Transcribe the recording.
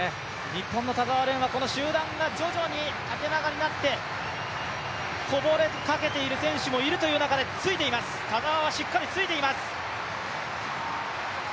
日本の田澤廉は、集団が徐々に縦長になって、こぼれかけている選手もいるという中で田澤はしっかりついています。